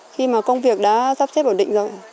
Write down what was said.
khi mà công việc đã sắp xếp ổn định rồi